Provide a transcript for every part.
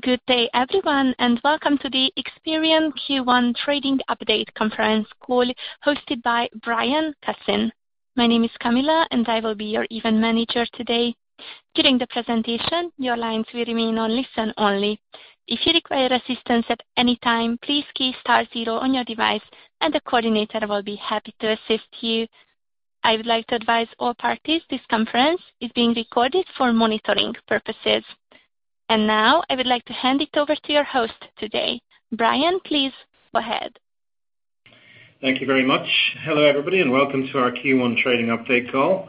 Good day everyone, and welcome to the Experian Q1 Trading Update conference call hosted by Brian Cassin. My name is Camilla, and I will be your event manager today. During the presentation, your lines will remain on listen only. If you require assistance at any time, please key star zero on your device and the coordinator will be happy to assist you. I would like to advise all parties this conference is being recorded for monitoring purposes. Now I would like to hand it over to your host today. Brian, please go ahead. Thank you very much. Hello, everybody, and welcome to our Q1 trading update call.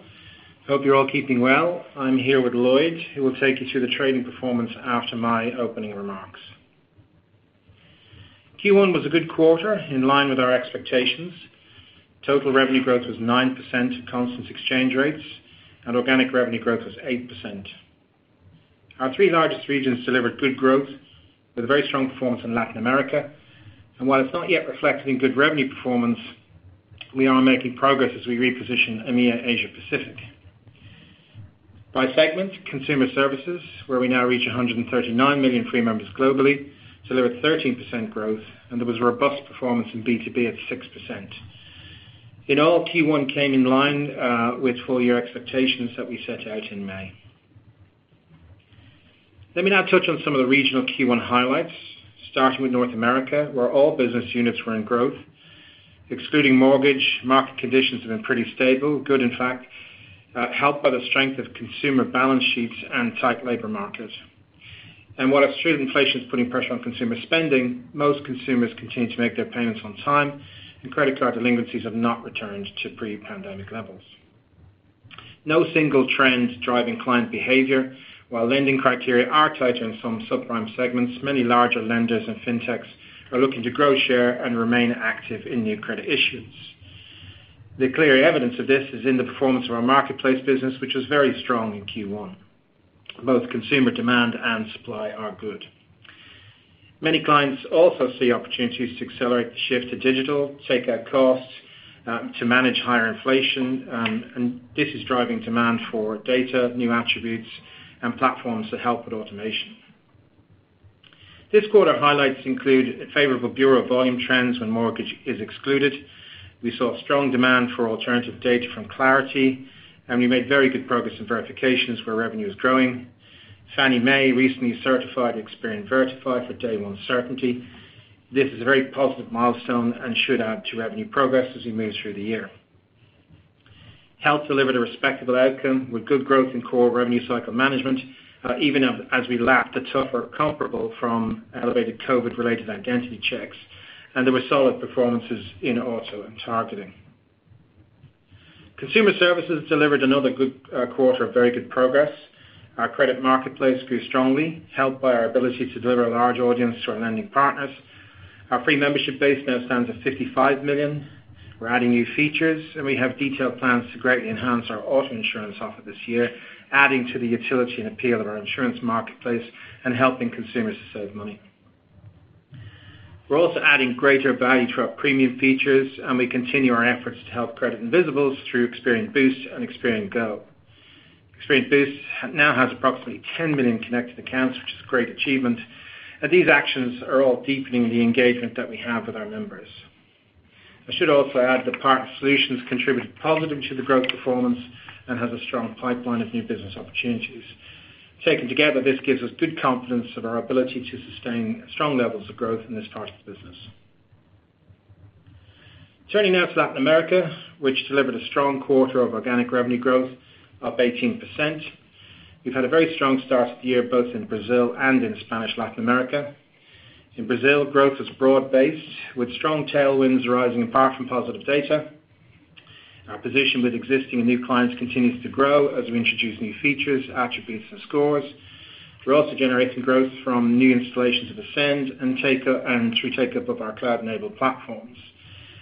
Hope you're all keeping well. I'm here with Lloyd, who will take you through the trading performance after my opening remarks. Q1 was a good quarter in line with our expectations. Total revenue growth was 9% at constant exchange rates and organic revenue growth was 8%. Our three largest regions delivered good growth with a very strong performance in Latin America. While it's not yet reflected in good revenue performance, we are making progress as we reposition EMEA Asia Pacific. By segment, consumer services, where we now reach 139 million free members globally, delivered 13% growth, and there was robust performance in B2B at 6%. In all, Q1 came in line with full year expectations that we set out in May. Let me now touch on some of the regional Q1 highlights, starting with North America, where all business units were in growth. Excluding mortgage, market conditions have been pretty stable, good in fact, helped by the strength of consumer balance sheets and tight labor markets. While extreme inflation is putting pressure on consumer spending, most consumers continue to make their payments on time, and credit card delinquencies have not returned to pre-pandemic levels. No single trend driving client behavior. While lending criteria are tight in some subprime segments, many larger lenders and fintechs are looking to grow share and remain active in new credit issues. The clear evidence of this is in the performance of our marketplace business, which was very strong in Q1. Both consumer demand and supply are good. Many clients also see opportunities to accelerate the shift to digital, take out costs, to manage higher inflation, and this is driving demand for data, new attributes, and platforms that help with automation. This quarter highlights include favorable bureau volume trends when mortgage is excluded. We saw strong demand for alternative data from Clarity, and we made very good progress in verifications where revenue is growing. Fannie Mae recently certified Experian Verify for Day 1 Certainty. This is a very positive milestone and should add to revenue progress as we move through the year. Health delivered a respectable outcome with good growth in core revenue cycle management, even as we lapped a tougher comparable from elevated COVID-related identity checks, and there were solid performances in auto and targeting. Consumer services delivered another good quarter of very good progress. Our credit marketplace grew strongly, helped by our ability to deliver a large audience to our lending partners. Our free membership base now stands at 55 million. We're adding new features, and we have detailed plans to greatly enhance our auto insurance offer this year, adding to the utility and appeal of our insurance marketplace and helping consumers to save money. We're also adding greater value to our premium features, and we continue our efforts to help credit invisibles through Experian Boost and Experian Go. Experian Boost now has approximately 10 million connected accounts, which is a great achievement, and these actions are all deepening the engagement that we have with our members. I should also add that Partner Solutions contributed positively to the growth performance and has a strong pipeline of new business opportunities. Taken together, this gives us good confidence of our ability to sustain strong levels of growth in this part of the business. Turning now to Latin America, which delivered a strong quarter of organic revenue growth, up 18%. We've had a very strong start to the year, both in Brazil and in Spanish Latin America. In Brazil, growth is broad-based, with strong tailwinds arising apart from positive data. Our position with existing and new clients continues to grow as we introduce new features, attributes, and scores. We're also generating growth from new installations of Ascend and through take-up of our cloud-enabled platforms.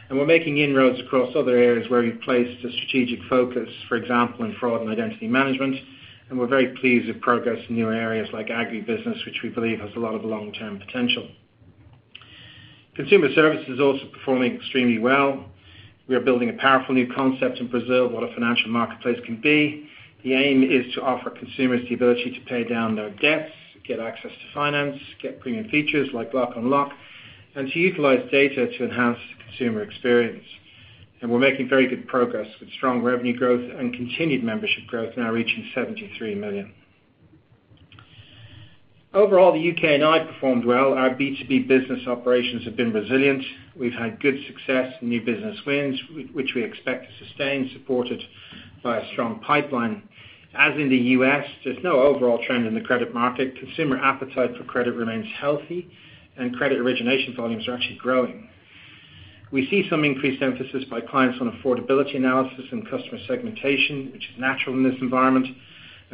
We're making inroads across other areas where we've placed a strategic focus, for example in fraud and identity management. We're very pleased with progress in new areas like agribusiness, which we believe has a lot of long-term potential. Consumer services is also performing extremely well. We are building a powerful new concept in Brazil, what a financial marketplace can be. The aim is to offer consumers the ability to pay down their debts, get access to finance, get premium features like lock unlock, and to utilize data to enhance the consumer experience. We're making very good progress with strong revenue growth and continued membership growth now reaching 73 million. Overall, the U.K. and Ireland performed well. Our B2B business operations have been resilient. We've had good success in new business wins, which we expect to sustain, supported by a strong pipeline. As in the U.S., there's no overall trend in the credit market. Consumer appetite for credit remains healthy and credit origination volumes are actually growing. We see some increased emphasis by clients on affordability analysis and customer segmentation, which is natural in this environment.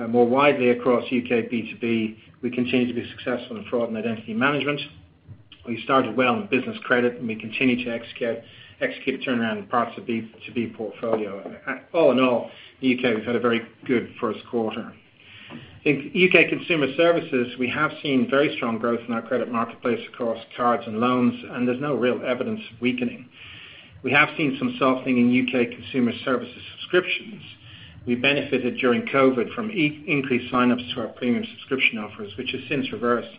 More widely across UK B2B, we continue to be successful in fraud and identity management. We started well in business credit, and we continue to execute turnaround in parts of B2B portfolio. All in all, U.K., we've had a very good first quarter. In UK consumer services, we have seen very strong growth in our credit marketplace across cards and loans, and there's no real evidence of weakening. We have seen some softening in UK consumer services subscriptions. We benefited during COVID from increased sign-ups to our premium subscription offers, which has since reversed.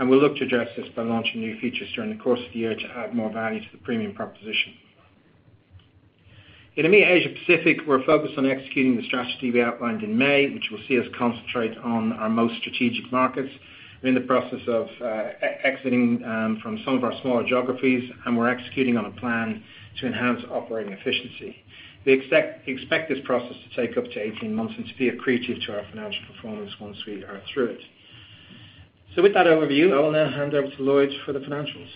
We look to address this by launching new features during the course of the year to add more value to the premium proposition. In EMEA Asia Pacific, we're focused on executing the strategy we outlined in May, which will see us concentrate on our most strategic markets. We're in the process of exiting from some of our smaller geographies, and we're executing on a plan to enhance operating efficiency. We expect this process to take up to 18 months and to be accretive to our financial performance once we are through it. With that overview, I will now hand over to Lloyd for the financials.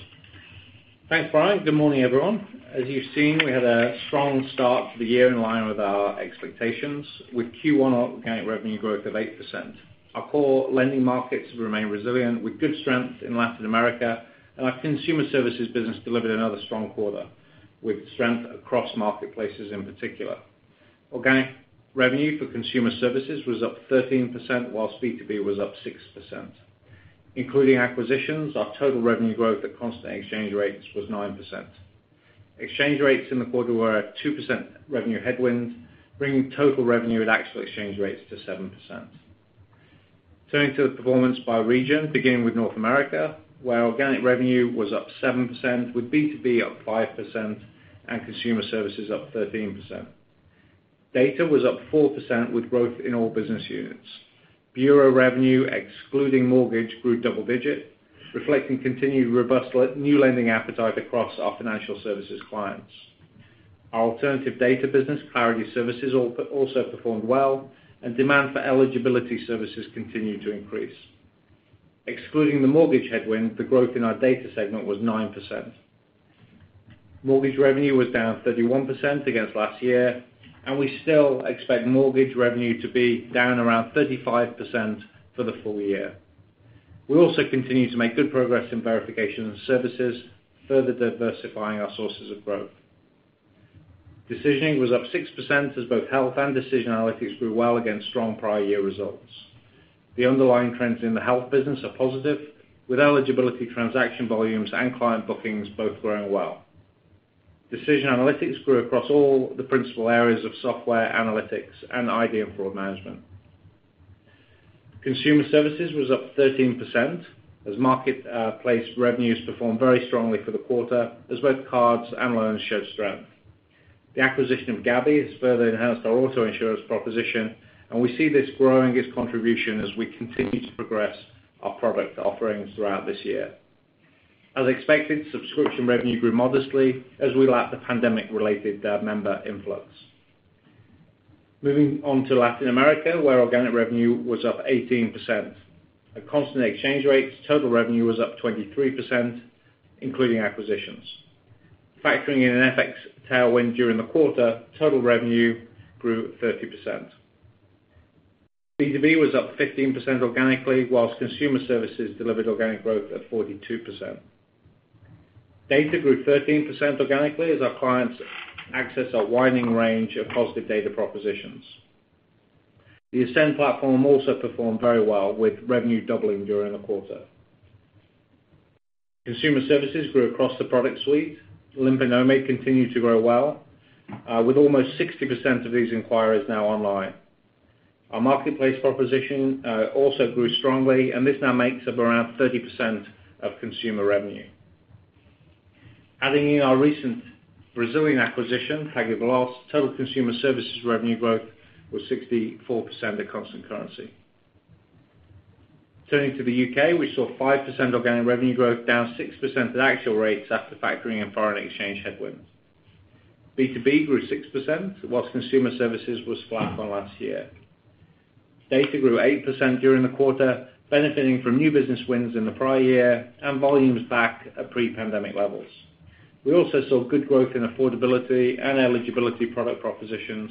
Thanks, Brian. Good morning, everyone. As you've seen, we had a strong start to the year in line with our expectations, with Q1 organic revenue growth of 8%. Our core lending markets remain resilient, with good strength in Latin America, and our consumer services business delivered another strong quarter, with strength across marketplaces in particular. Organic revenue for consumer services was up 13%, while B2B was up 6%. Including acquisitions, our total revenue growth at constant exchange rates was 9%. Exchange rates in the quarter were at 2% revenue headwind, bringing total revenue at actual exchange rates to 7%. Turning to the performance by region, beginning with North America, where organic revenue was up 7%, with B2B up 5% and consumer services up 13%. Data was up 4% with growth in all business units. Bureau revenue, excluding mortgage, grew double-digit, reflecting continued robust new lending appetite across our financial services clients. Our alternative data business, Clarity Services, also performed well, and demand for eligibility services continued to increase. Excluding the mortgage headwind, the growth in our data segment was 9%. Mortgage revenue was down 31% against last year, and we still expect mortgage revenue to be down around 35% for the full year. We also continue to make good progress in verification and services, further diversifying our sources of growth. Decisioning was up 6% as both health and decision analytics grew well against strong prior year results. The underlying trends in the health business are positive, with eligibility, transaction volumes and client bookings both growing well. Decision analytics grew across all the principal areas of software analytics and ID and fraud management. Consumer services was up 13% as marketplace revenues performed very strongly for the quarter, as both cards and loans showed strength. The acquisition of Gabi has further enhanced our auto insurance proposition, and we see this growing its contribution as we continue to progress our product offerings throughout this year. As expected, subscription revenue grew modestly as we lacked the pandemic-related member influx. Moving on to Latin America, where organic revenue was up 18%. At constant exchange rates, total revenue was up 23%, including acquisitions. Factoring in an FX tailwind during the quarter, total revenue grew at 30%. B2B was up 15% organically, while consumer services delivered organic growth at 42%. Data grew 13% organically as our clients access our widening range of positive data propositions. The Ascend platform also performed very well with revenue doubling during the quarter. Consumer services grew across the product suite. Limpa Nome continue to grow well, with almost 60% of these inquirers now online. Our marketplace proposition also grew strongly, and this now makes up around 30% of consumer revenue. Adding in our recent Brazilian acquisition, Tag Glass, total consumer services revenue growth was 64% at constant currency. Turning to the U.K., we saw 5% organic revenue growth, down 6% at actual rates after factoring in foreign exchange headwinds. B2B grew 6%, while consumer services was flat on last year. Data grew 8% during the quarter, benefiting from new business wins in the prior year and volumes back at pre-pandemic levels. We also saw good growth in affordability and eligibility product propositions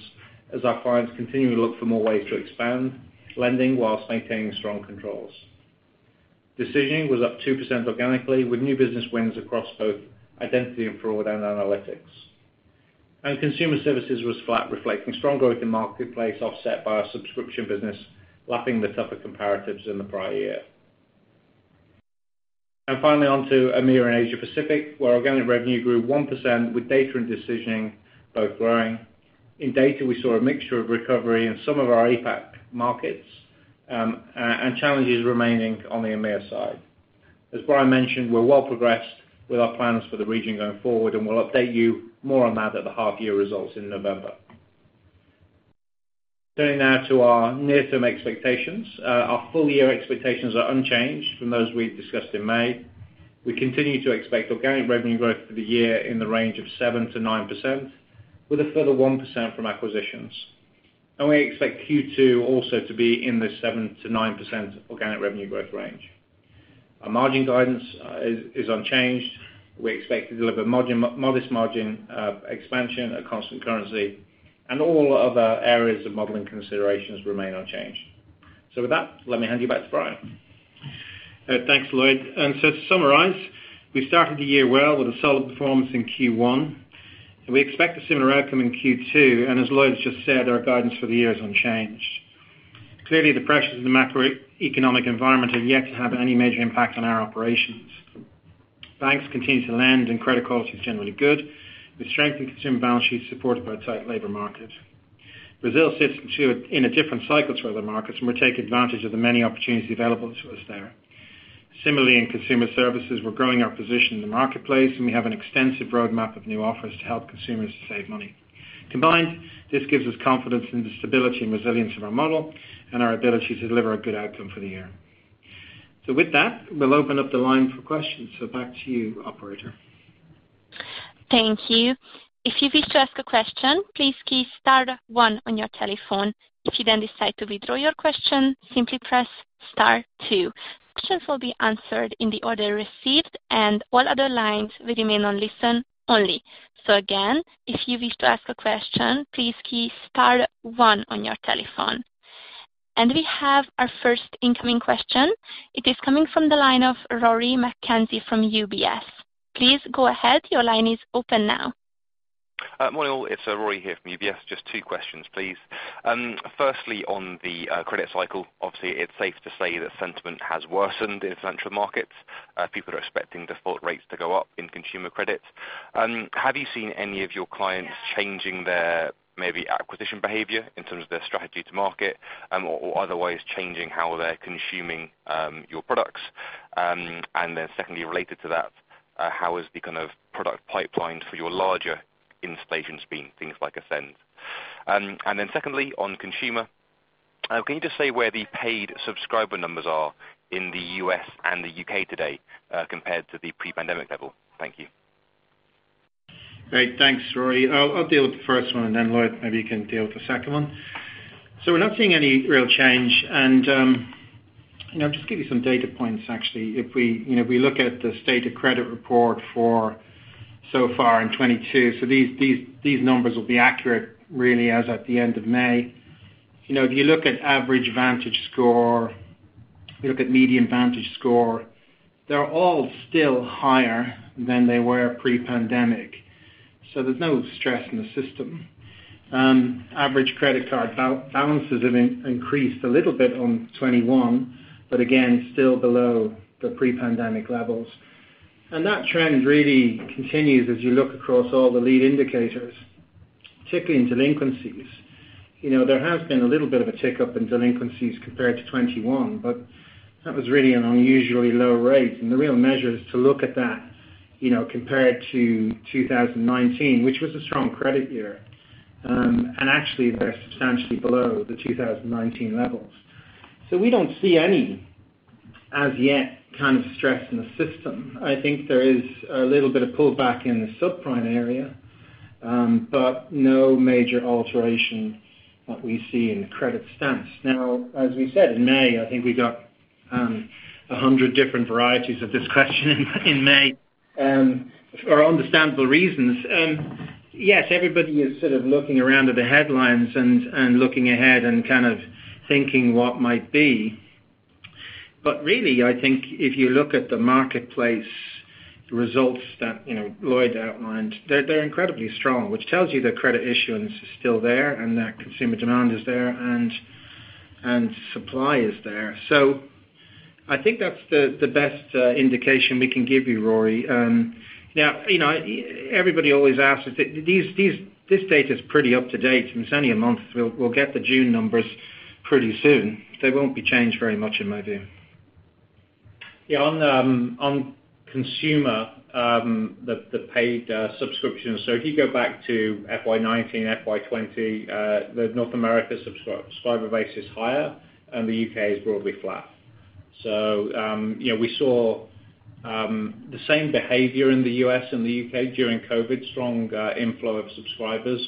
as our clients continue to look for more ways to expand lending while maintaining strong controls. Decisioning was up 2% organically with new business wins across both identity and fraud and analytics. Consumer services was flat, reflecting strong growth in marketplace offset by our subscription business lapping the tougher comparatives in the prior year. Finally, on to EMEA and Asia Pacific, where organic revenue grew 1% with data and decisioning both growing. In data, we saw a mixture of recovery in some of our APAC markets, and challenges remaining on the EMEA side. As Brian mentioned, we're well progressed with our plans for the region going forward, and we'll update you more on that at the half year results in November. Turning now to our near-term expectations. Our full year expectations are unchanged from those we've discussed in May. We continue to expect organic revenue growth for the year in the range of 7%-9% with a further 1% from acquisitions. We expect Q2 also to be in the 7%-9% organic revenue growth range. Our margin guidance is unchanged. We expect to deliver modest margin expansion at constant currency, and all other areas of modeling considerations remain unchanged. With that, let me hand you back to Brian. Thanks, Lloyd. To summarize, we started the year well with a solid performance in Q1, and we expect a similar outcome in Q2. As Lloyd's just said, our guidance for the year is unchanged. Clearly, the pressures of the macroeconomic environment are yet to have any major impact on our operations. Banks continue to lend, and credit quality is generally good, with strengthening consumer balance sheets supported by a tight labor market. Brazil sits in a different cycle to other markets, and we're taking advantage of the many opportunities available to us there. Similarly, in consumer services, we're growing our position in the marketplace, and we have an extensive roadmap of new offers to help consumers to save money. Combined, this gives us confidence in the stability and resilience of our model and our ability to deliver a good outcome for the year. With that, we'll open up the line for questions. Back to you, operator. Thank you. If you wish to ask a question, please key star then one on your telephone. If you then decide to withdraw your question, simply press star two. Questions will be answered in the order received, and all other lines will remain on listen only. Again, if you wish to ask a question, please key star one on your telephone. We have our first incoming question. It is coming from the line of Rory McKenzie from UBS. Please go ahead. Your line is open now. Morning, all. It's Rory here from UBS. Just two questions, please. Firstly, on the credit cycle. Obviously, it's safe to say that sentiment has worsened in central markets. People are expecting default rates to go up in consumer credit. Have you seen any of your clients changing their maybe acquisition behavior in terms of their strategy to market, or otherwise changing how they're consuming your products? Secondly, related to that, how has the kind of product pipeline for your larger installations been, things like Ascend? Secondly, on consumer, can you just say where the paid subscriber numbers are in the U.S. and the U.K. today, compared to the pre-pandemic level? Thank you. Great. Thanks, Rory. I'll deal with the first one, and then Lloyd, maybe you can deal with the second one. We're not seeing any real change and, you know, I'll just give you some data points, actually. If we look at the state of credit report for so far in 2022, these numbers will be accurate really as at the end of May. You know, if you look at average VantageScore, if you look at median VantageScore, they're all still higher than they were pre-pandemic. There's no stress in the system. Average credit card balances have increased a little bit in 2021, but again, still below the pre-pandemic levels. That trend really continues as you look across all the lead indicators, particularly in delinquencies. You know, there has been a little bit of a tick up in delinquencies compared to 2021, but that was really an unusually low rate. The real measure is to look at that, you know, compared to 2019, which was a strong credit year. Actually, they're substantially below the 2019 levels. We don't see any as yet kind of stress in the system. I think there is a little bit of pullback in the subprime area, but no major alteration that we see in the credit stance. Now, as we said in May, I think we got 100 different varieties of this question in May, for understandable reasons. Yes, everybody is sort of looking around at the headlines and looking ahead and kind of thinking what might be. Really, I think if you look at the marketplace results that Lloyd outlined, they're incredibly strong, which tells you that credit issuance is still there and that consumer demand is there and supply is there. I think that's the best indication we can give you, Rory. Now, everybody always asks us, this data's pretty up-to-date. It's only a month. We'll get the June numbers pretty soon. They won't be changed very much in my view. Yeah, on consumer, the paid subscription. If you go back to FY 2019, FY 2020, the North America subscriber base is higher, and the U.K. is broadly flat. You know, we saw the same behavior in the U.S. and the U.K. during COVID, strong inflow of subscribers.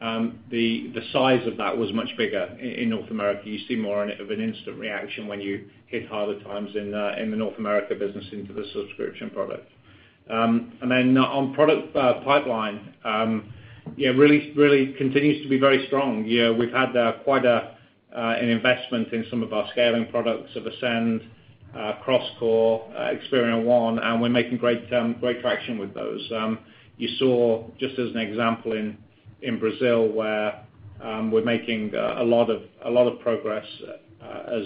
The size of that was much bigger in North America. You see more of an instant reaction when you hit harder times in the North America business into the subscription product. On product pipeline, yeah, really continues to be very strong. You know, we've had quite an investment in some of our scaling products, so Ascend, CrossCore, Experian One, and we're making great traction with those. You saw just as an example in Brazil where we're making a lot of progress as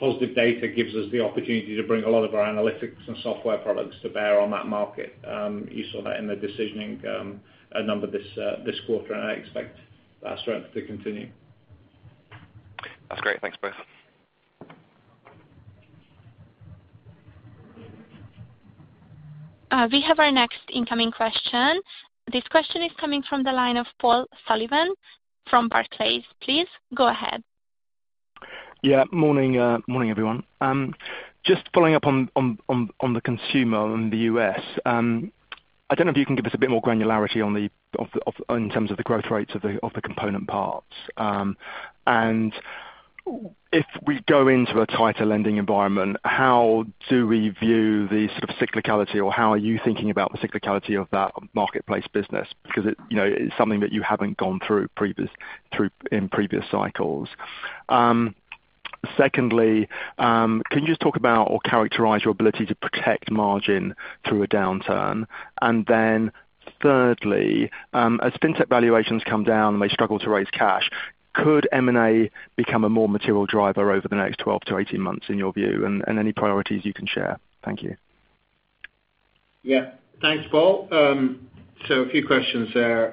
positive data gives us the opportunity to bring a lot of our analytics and software products to bear on that market. You saw that in the decisioning number this quarter, and I expect that strength to continue. That's great. Thanks both. We have our next incoming question. This question is coming from the line of Paul Sullivan from Barclays. Please go ahead. Yeah, morning. Morning, everyone. Just following up on the consumer in the U.S. I don't know if you can give us a bit more granularity on the growth rates of the component parts. If we go into a tighter lending environment, how do we view the sort of cyclicality, or how are you thinking about the cyclicality of that marketplace business? Because it, you know, it's something that you haven't gone through in previous cycles. Second, can you just talk about or characterize your ability to protect margin through a downturn? Third, as fintech valuations come down, they struggle to raise cash. Could M&A become a more material driver over the next 12-18 months in your view and any priorities you can share? Thank you. Yeah. Thanks, Paul. So a few questions there.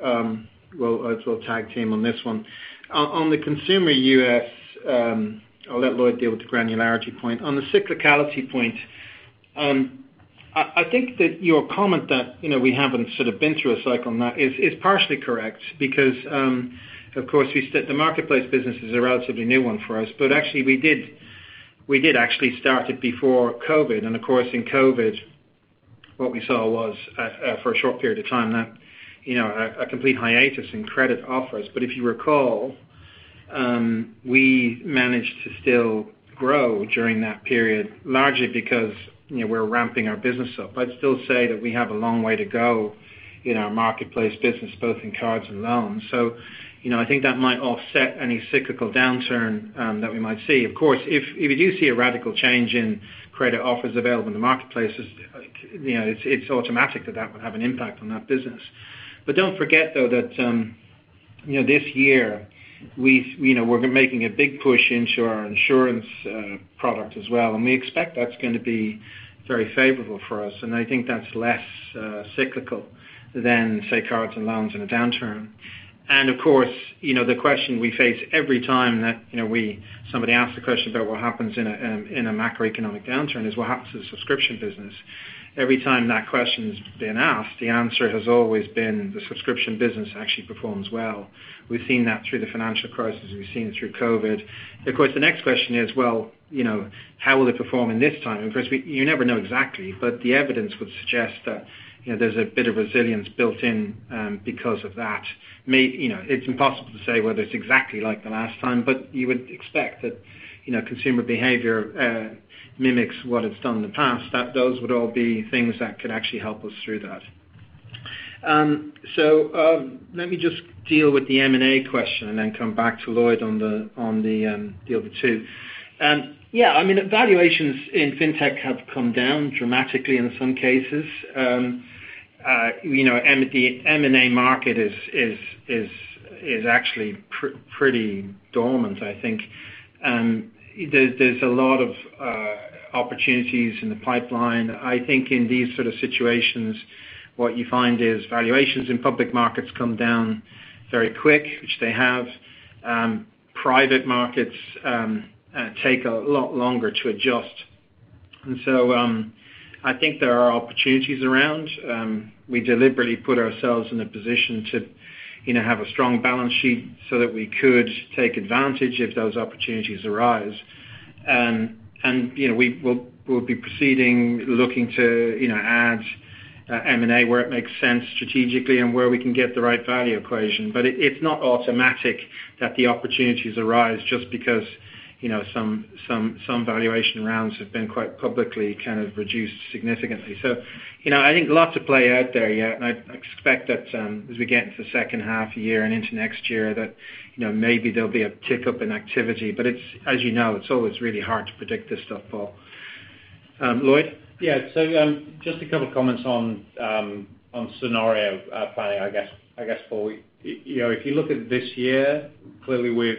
We'll tag team on this one. On the Consumer U.S., I'll let Lloyd deal with the granularity point. On the cyclicality point, I think that your comment that, you know, we haven't sort of been through a cycle on that is partially correct because, of course, the marketplace business is a relatively new one for us. Actually we did actually start it before COVID. Of course in COVID, what we saw was, for a short period of time that, you know, a complete hiatus in credit offers. If you recall, we managed to still grow during that period, largely because, you know, we're ramping our business up. I'd still say that we have a long way to go in our marketplace business, both in cards and loans. You know, I think that might offset any cyclical downturn that we might see. Of course, if you do see a radical change in credit offers available in the marketplace, you know, it's automatic that that would have an impact on that business. But don't forget, though, that, you know, this year, you know, we're making a big push into our insurance product as well, and we expect that's gonna be very favorable for us. I think that's less cyclical than, say, cards and loans in a downturn. Of course, you know the question we face every time that, you know, somebody asks a question about what happens in a, in a macroeconomic downturn, is what happens to the subscription business? Every time that question's been asked, the answer has always been the subscription business actually performs well. We've seen that through the financial crisis. We've seen it through COVID. Of course, the next question is, well, you know, how will it perform in this time? Of course, you never know exactly, but the evidence would suggest that, you know, there's a bit of resilience built in, because of that. You know, it's impossible to say whether it's exactly like the last time, but you would expect that, you know, consumer behavior mimics what it's done in the past, that those would all be things that could actually help us through that. Let me just deal with the M&A question and then come back to Lloyd on the other two. Yeah, I mean, valuations in fintech have come down dramatically in some cases. You know, the M&A market is actually pretty dormant, I think. There's a lot of opportunities in the pipeline. I think in these sort of situations, what you find is valuations in public markets come down very quick, which they have. Private markets take a lot longer to adjust. I think there are opportunities around. We deliberately put ourselves in a position to, you know, have a strong balance sheet so that we could take advantage if those opportunities arise. You know, we will, we'll be proceeding, looking to, you know, add M&A, where it makes sense strategically and where we can get the right value equation. It's not automatic that the opportunities arise just because, you know, some valuation rounds have been quite publicly kind of reduced significantly. You know, I think a lot to play out there. Yeah. I expect that, as we get into the second half year and into next year, that, you know, maybe there'll be a tick up in activity. It's, as you know, it's always really hard to predict this stuff, Paul. Lloyd? Just a couple comments on scenario planning, I guess, you know, if you look at this year, clearly we've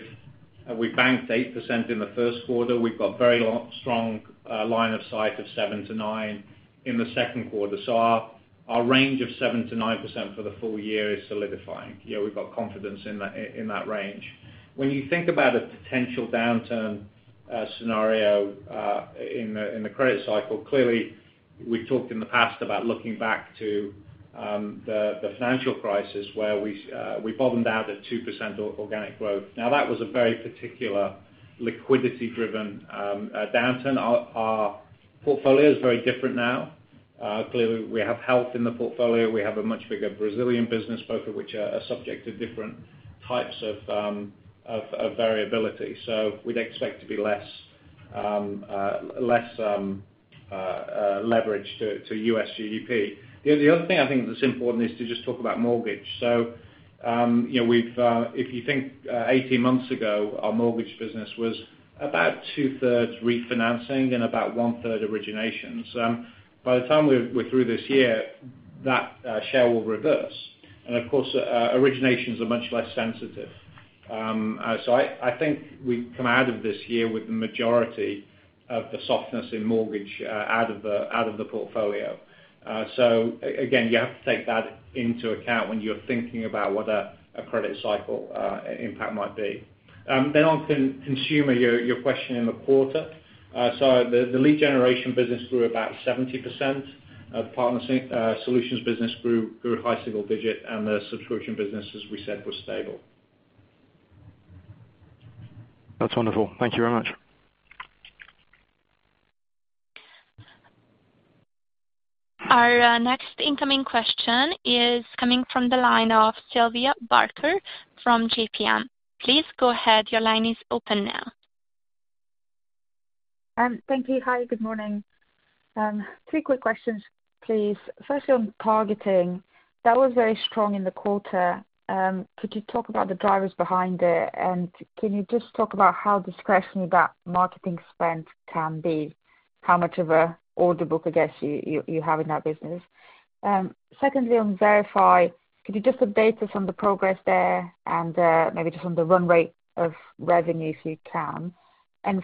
banked 8% in the first quarter. We've got very strong line of sight of 7%-9% in the second quarter. Our range of 7%-9% for the full year is solidifying. You know, we've got confidence in that range. When you think about a potential downturn scenario in the credit cycle, clearly we've talked in the past about looking back to the financial crisis where we bottomed out at 2% organic growth. Now, that was a very particular liquidity-driven downturn. Our portfolio is very different now. Clearly we have health in the portfolio. We have a much bigger Brazilian business, both of which are subject to different types of variability. We'd expect to be less leveraged to U.S. GDP. You know, the other thing I think that's important is to just talk about mortgage. You know, if you think 18 months ago, our mortgage business was about two-thirds refinancing and about one-third origination. By the time we're through this year, that share will reverse. Of course, origination is a much less sensitive. I think we come out of this year with the majority of the softness in mortgage out of the portfolio. Again, you have to take that into account when you're thinking about what a credit cycle impact might be. On consumer, your question in the quarter. The lead generation business grew about 70%. Partner Solutions business grew at high single digit, and the subscription business, as we said, was stable. That's wonderful. Thank you very much. Our next incoming question is coming from the line of Sylvia Barker from JPM. Please go ahead. Your line is open now. Thank you. Hi, good morning. Three quick questions, please. First on targeting, that was very strong in the quarter. Could you talk about the drivers behind it? Can you just talk about how discretionary that marketing spend can be? How much of a order book, I guess, you have in that business? Secondly, on Verify, could you just update us on the progress there and maybe just on the run rate of revenue, if you can.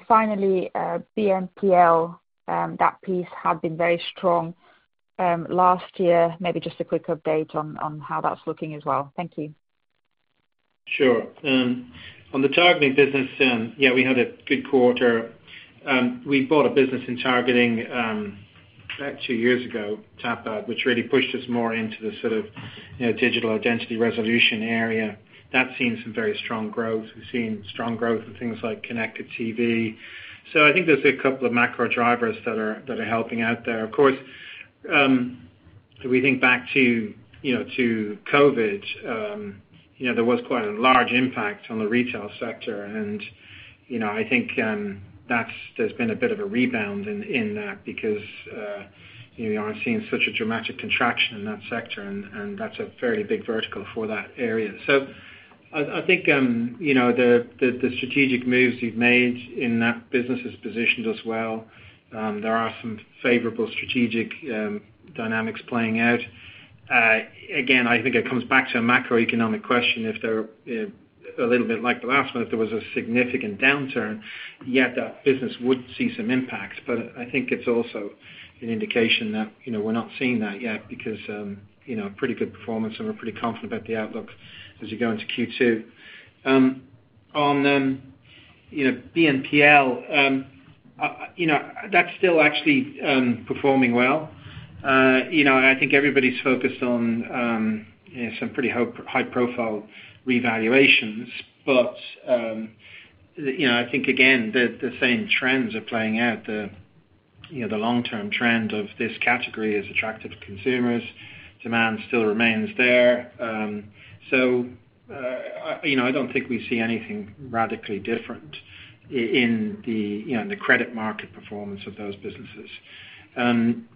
Finally, BNPL, that piece had been very strong last year. Maybe just a quick update on how that's looking as well. Thank you. Sure. On the targeting business, yeah, we had a good quarter. We bought a business in targeting, about two years ago, Tapad, which really pushed us more into the sort of, you know, digital identity resolution area. That's seen some very strong growth. We've seen strong growth with things like Connected TV. I think there's a couple of macro drivers that are helping out there. Of course, if we think back to, you know, to COVID, you know, there was quite a large impact on the retail sector. You know, I think there's been a bit of a rebound in that because you know I've seen such a dramatic contraction in that sector, and that's a very big vertical for that area. I think you know, the strategic moves we've made in that business has positioned us well. There are some favorable strategic dynamics playing out. Again, I think it comes back to a macroeconomic question if there a little bit like the last one, if there was a significant downturn, that business would see some impacts. I think it's also an indication that you know, we're not seeing that yet because you know, pretty good performance, and we're pretty confident about the outlook as we go into Q2. On you know, BNPL, you know, that's still actually performing well. You know, and I think everybody's focused on you know, some pretty high profile revaluations. You know, I think again, the same trends are playing out. You know, the long-term trend of this category is attractive to consumers. Demand still remains there. I don't think we see anything radically different in the credit market performance of those businesses. On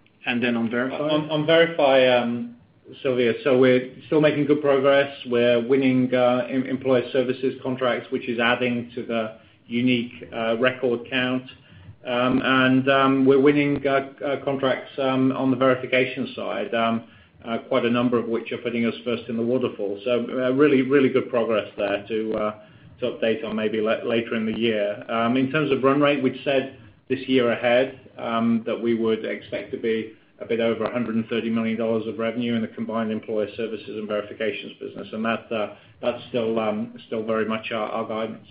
Verify, Sylwia, we're still making good progress. We're winning employer services contracts, which is adding to the unique record count. We're winning contracts on the verification side, quite a number of which are putting us first in the waterfall. Really good progress there to update on maybe later in the year. In terms of run rate, we've said this year ahead that we would expect a bit over $130 million of revenue in the combined employer services and verifications business. That that's still very much our guidance.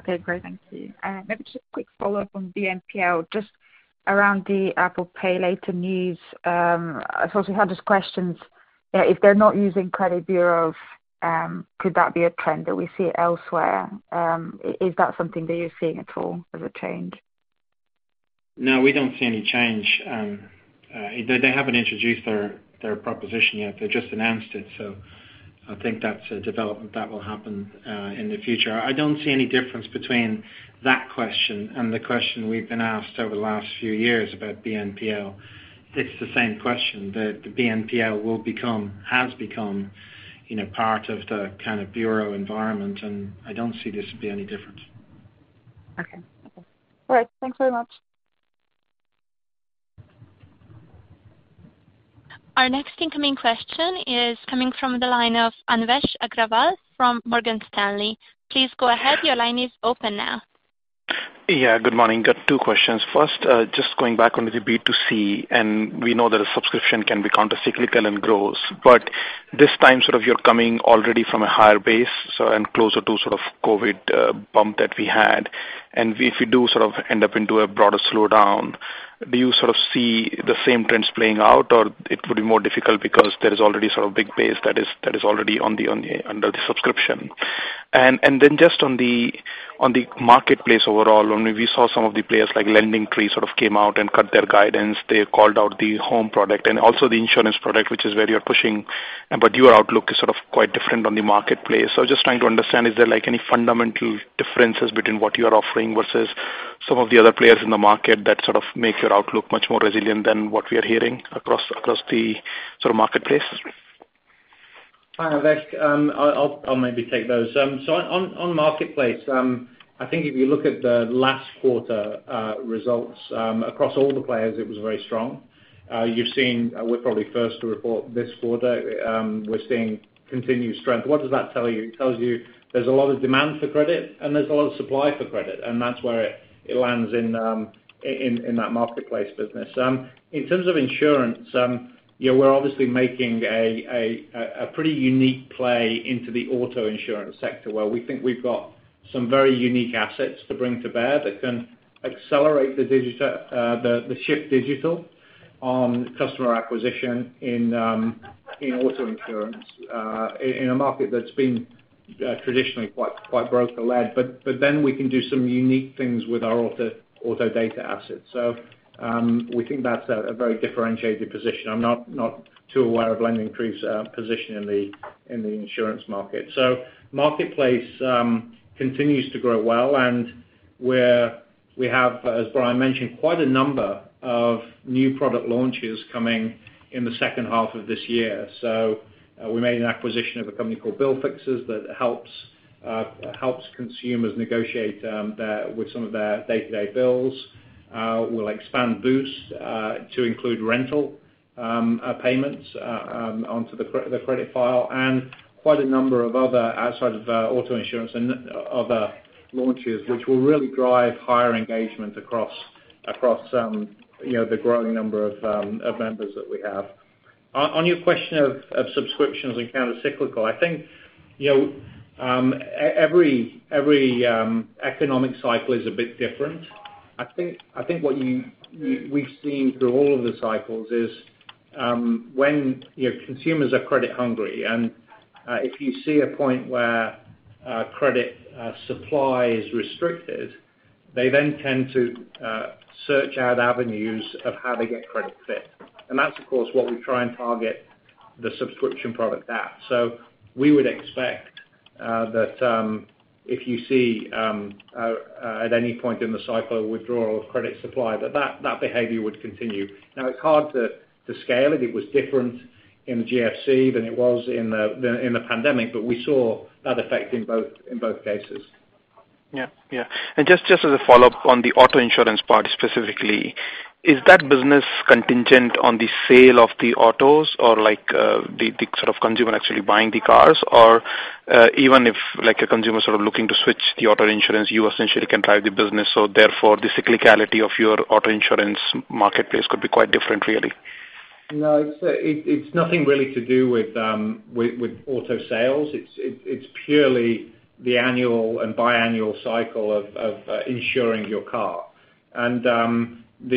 Okay, great. Thank you. Maybe just a quick follow-up on BNPL, just around the Apple Pay Later news. I suppose we had these questions. If they're not using credit bureaus, could that be a trend that we see elsewhere? Is that something that you're seeing at all as a change? No, we don't see any change. They haven't introduced their proposition yet. They've just announced it, so I think that's a development that will happen in the future. I don't see any difference between that question and the question we've been asked over the last few years about BNPL. It's the same question. The BNPL has become, you know, part of the kind of bureau environment, and I don't see this would be any different. Okay. All right. Thanks very much. Our next incoming question is coming from the line of Anvesh Agrawal from Morgan Stanley. Please go ahead. Your line is open now. Yeah, good morning. Got two questions. First, just going back onto the B2C, and we know that a subscription can be countercyclical and grows. This time, sort of you're coming already from a higher base, so closer to sort of COVID bump that we had. If we do sort of end up into a broader slowdown, do you sort of see the same trends playing out, or it would be more difficult because there is already sort of big base that is already under the subscription? Then just on the marketplace overall, when we saw some of the players like LendingTree sort of came out and cut their guidance. They called out the home product and also the insurance product, which is where you're pushing, but your outlook is sort of quite different on the marketplace. Just trying to understand, is there, like, any fundamental differences between what you're offering versus some of the other players in the market that sort of make your outlook much more resilient than what we're hearing across the sort of marketplace? Hi, Anvesh. I'll maybe take those. So on marketplace, I think if you look at the last quarter results across all the players, it was very strong. You've seen we're probably first to report this quarter. We're seeing continued strength. What does that tell you? It tells you there's a lot of demand for credit, and there's a lot of supply for credit, and that's where it lands in that marketplace business. In terms of insurance, you know, we're obviously making a pretty unique play into the auto insurance sector, where we think we've got some very unique assets to bring to bear that can accelerate the digital shift on customer acquisition in auto insurance, in a market that's been traditionally quite broker-led. Then we can do some unique things with our auto data assets. We think that's a very differentiated position. I'm not too aware of LendingTree's position in the insurance market. The marketplace continues to grow well. We have, as Brian mentioned, quite a number of new product launches coming in the second half of this year. We made an acquisition of a company called BillFixers that helps consumers negotiate with some of their day-to-day bills. We'll expand Boost to include rental payments onto the credit file and quite a number of other outside of auto insurance and other launches, which will really drive higher engagement across you know the growing number of members that we have. On your question of subscriptions and countercyclical, I think you know every economic cycle is a bit different. I think what we've seen through all of the cycles is when you know consumers are credit hungry, and if you see a point where credit supply is restricted, they then tend to search out avenues of how to get credit fit. That's of course what we try and target the subscription product at. We would expect that if you see at any point in the cycle withdrawal of credit supply, that behavior would continue. Now it's hard to scale it. It was different in the GFC than it was in the pandemic, but we saw that effect in both cases. Yeah. Just as a follow-up on the auto insurance part specifically, is that business contingent on the sale of the autos or like the sort of consumer actually buying the cars? Or even if like a consumer sort of looking to switch the auto insurance, you essentially can drive the business, so therefore the cyclicality of your auto insurance marketplace could be quite different, really. No, it's nothing really to do with auto sales. It's purely the annual and biannual cycle of insuring your car. The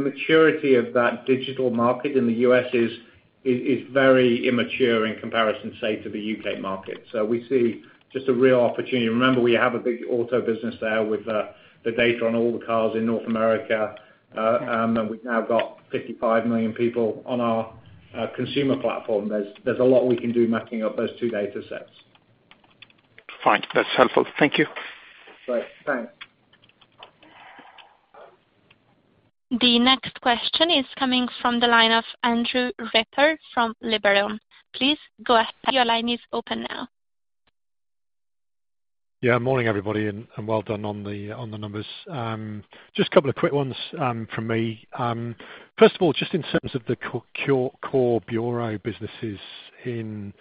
maturity of that digital market in the U.S. is very immature in comparison, say, to the U.K. market. We see just a real opportunity. Remember, we have a big auto business there with the data on all the cars in North America, and we've now got 55 million people on our consumer platform. There's a lot we can do matching up those two data sets. Fine. That's helpful. Thank you. Great. Thanks. The next question is coming from the line of Andrew Ripper from Liberum. Please go ahead, your line is open now. Yeah. Morning, everybody, and well done on the numbers. Just a couple of quick ones from me. First of all, just in terms of the core bureau businesses in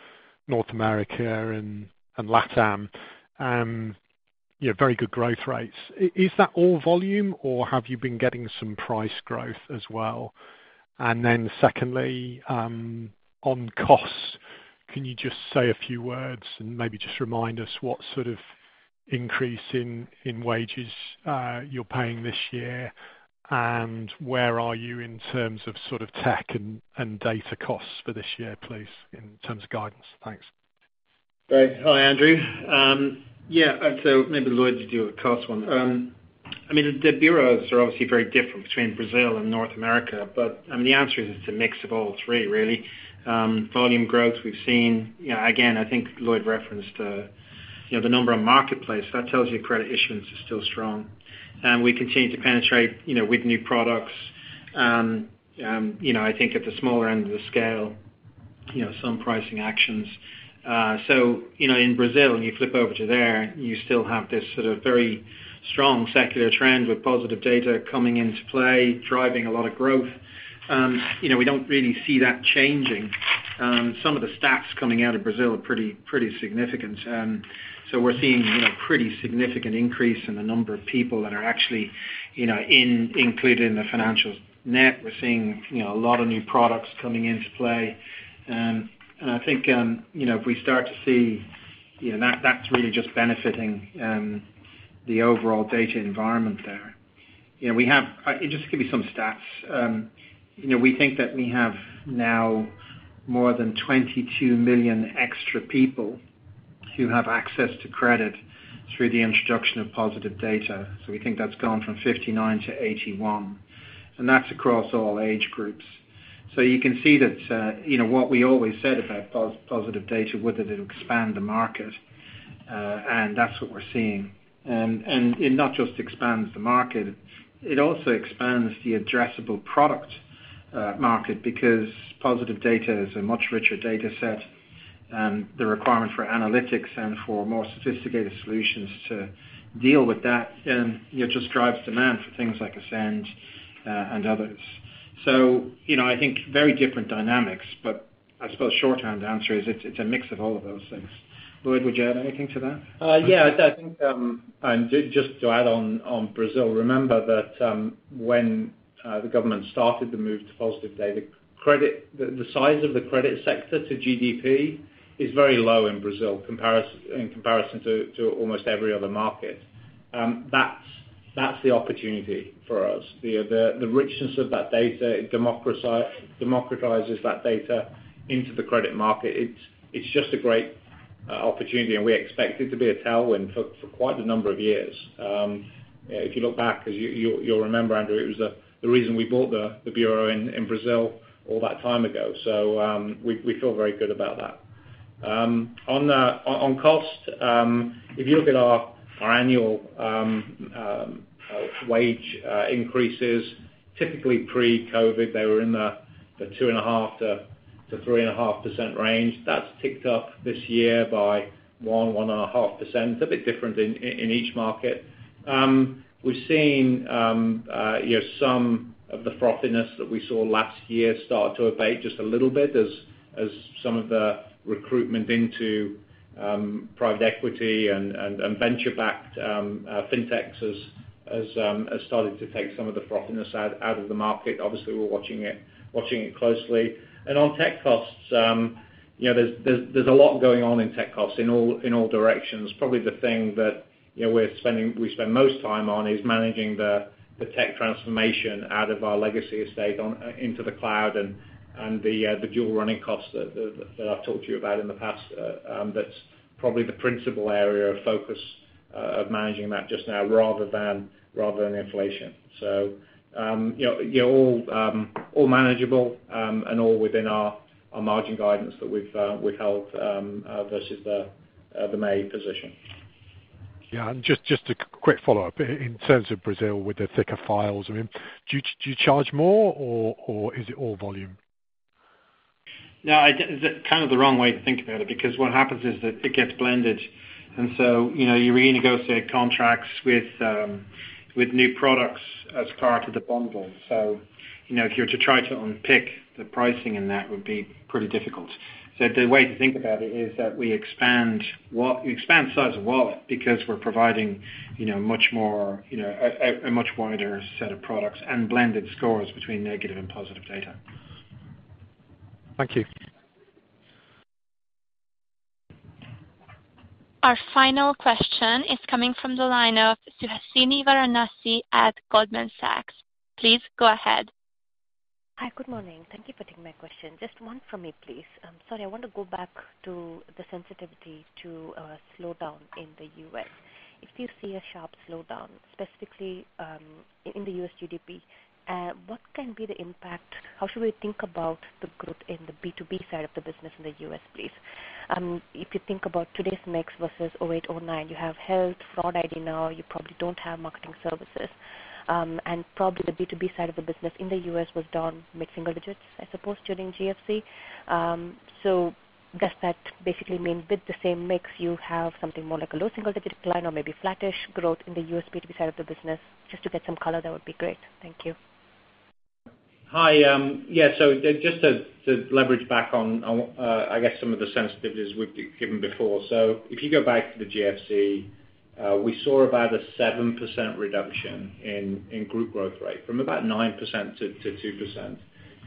North America and LATAM, you have very good growth rates. Is that all volume or have you been getting some price growth as well? Secondly, on costs, can you just say a few words and maybe just remind us what sort of increase in wages you're paying this year, and where are you in terms of sort of tech and data costs for this year, please, in terms of guidance? Thanks. Great. Hi, Andrew. Maybe Lloyd, you do a cost one. I mean, the bureaus are obviously very different between Brazil and North America, but, I mean, the answer is, it's a mix of all three, really. Volume growth we've seen. You know, again, I think Lloyd referenced the, you know, the number of marketplace that tells you credit issuance is still strong. We continue to penetrate, you know, with new products. You know, I think at the smaller end of the scale, you know, some pricing actions. So, you know, in Brazil, and you flip over to there, you still have this sort of very strong secular trend with positive data coming into play, driving a lot of growth. You know, we don't really see that changing. Some of the stats coming out of Brazil are pretty significant. We're seeing, you know, pretty significant increase in the number of people that are actually, you know, included in the financial net. We're seeing, you know, a lot of new products coming into play. I think, you know, if we start to see, you know, that's really just benefiting the overall data environment there. You know, we have just to give you some stats, you know, we think that we have now more than 22 million extra people who have access to credit through the introduction of positive data. We think that's gone from 59 to 81, and that's across all age groups. You can see that, you know, what we always said about positive data, whether it'll expand the market, and that's what we're seeing. It not just expands the market, it also expands the addressable product market because positive data is a much richer data set, the requirement for analytics and for more sophisticated solutions to deal with that, you know, just drives demand for things like Ascend and others. You know, I think very different dynamics, but I suppose short-term the answer is it's a mix of all of those things. Lloyd, would you add anything to that? Yeah. I think just to add on Brazil, remember that when the government started the move to positive data credit, the size of the credit sector to GDP is very low in Brazil in comparison to almost every other market. That's the opportunity for us. The richness of that data, it democratizes that data into the credit market. It's just a great opportunity, and we expect it to be a tailwind for quite a number of years. If you look back, you'll remember, Andrew, it was the reason we bought the bureau in Brazil all that time ago. We feel very good about that. On cost, if you look at our annual wage increases, typically pre-COVID, they were in the 2.5%-3.5% range. That's ticked up this year by 1%-1.5%. A bit different in each market. We've seen, you know, some of the frothiness that we saw last year start to abate just a little bit as some of the recruitment into private equity and venture-backed FinTechs has started to take some of the frothiness out of the market. Obviously, we're watching it closely. On tech costs, you know, there's a lot going on in tech costs in all directions. Probably the thing that, you know, we spend most time on is managing the tech transformation out of our legacy estate on into the cloud and the dual running costs that I've talked to you about in the past. That's probably the principal area of focus of managing that just now rather than inflation. You know, again, all manageable and all within our margin guidance that we've held versus the May position. Yeah. Just a quick follow-up. In terms of Brazil with the thicker files, I mean, do you charge more or is it all volume? No, that's kind of the wrong way to think about it because what happens is that it gets blended. You know, you renegotiate contracts with new products as part of the bundle. You know, if you were to try to unpick the pricing in that, it would be pretty difficult. The way to think about it is that we expand share of wallet because we're providing, you know, much more, you know, a much wider set of products and blended scores between negative and positive data. Thank you. Our final question is coming from the line of Suhasini Varanasi at Goldman Sachs. Please go ahead. Hi. Good morning. Thank you for taking my question. Just one from me, please. Sorry, I want to go back to the sensitivity to slowdown in the U.S. If you see a sharp slowdown, specifically, in the U.S. GDP, what can be the impact? How should we think about the growth in the B2B side of the business in the U.S., please? If you think about today's mix versus 2008, 2009, you have health, fraud ID now. You probably don't have marketing services. Probably the B2B side of the business in the U.S. was down mid-single digits, I suppose, during GFC. Does that basically mean with the same mix you have something more like a low single-digit decline or maybe flattish growth in the U.S. B2B side of the business? Just to get some color, that would be great. Thank you. Hi. Yeah. Just to leverage back on, I guess, some of the sensitivities we've given before. If you go back to the GFC, we saw about a 7% reduction in group growth rate from about 9%-2%.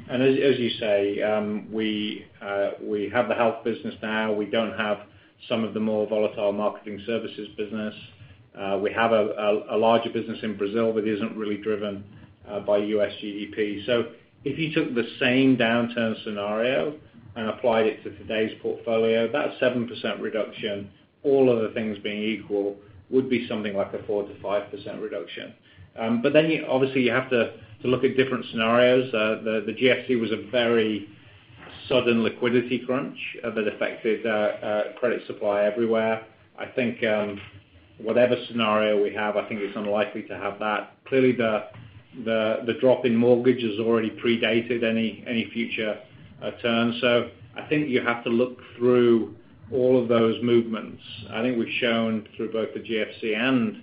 As you say, we have the health business now. We don't have some of the more volatile marketing services business. We have a larger business in Brazil that isn't really driven by U.S. GDP. If you took the same downturn scenario and applied it to today's portfolio, that 7% reduction, all other things being equal, would be something like a 4%-5% reduction. You obviously have to look at different scenarios. The GFC was a very sudden liquidity crunch that affected credit supply everywhere. I think, whatever scenario we have, I think it's unlikely to have that. Clearly the drop in mortgage has already predated any future turn. I think you have to look through all of those movements. I think we've shown through both the GFC and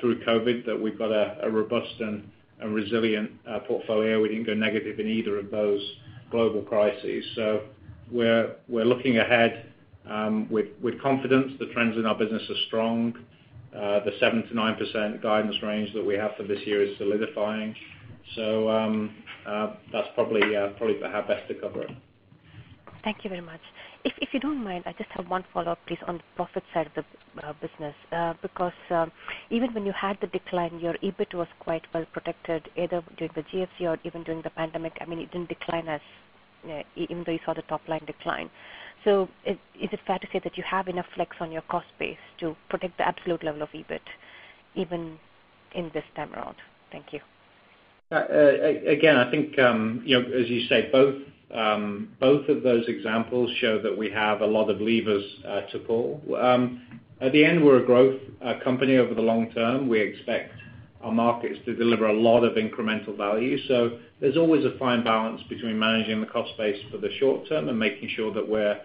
through COVID that we've got a robust and resilient portfolio. We didn't go negative in either of those global crises. We're looking ahead with confidence. The trends in our business are strong. The 7%-9% guidance range that we have for this year is solidifying. That's probably how best to cover it. Thank you very much. If you don't mind, I just have one follow-up please on the profit side of the business. Because even when you had the decline, your EBIT was quite well protected either during the GFC or even during the pandemic. I mean, it didn't decline as even though you saw the top line decline. Is it fair to say that you have enough flex on your cost base to protect the absolute level of EBIT even in this time around? Thank you. Again, I think, you know, as you say, both of those examples show that we have a lot of levers to pull. At the end, we're a growth company over the long term. We expect our markets to deliver a lot of incremental value. There's always a fine balance between managing the cost base for the short term and making sure that we're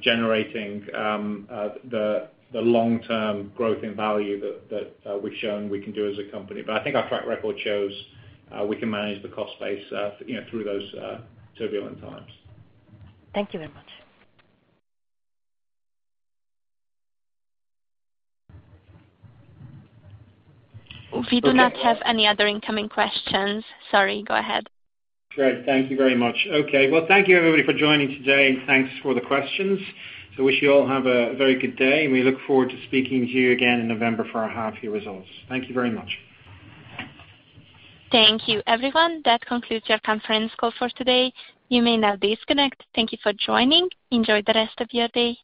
generating the long-term growth in value that we've shown we can do as a company. I think our track record shows we can manage the cost base, you know, through those turbulent times. Thank you very much. We do not have any other incoming questions. Sorry, go ahead. Great. Thank you very much. Okay. Well, thank you everybody for joining today, and thanks for the questions. I wish you all a very good day, and we look forward to speaking to you again in November for our half year results. Thank you very much. Thank you, everyone. That concludes your conference call for today. You may now disconnect. Thank you for joining. Enjoy the rest of your day.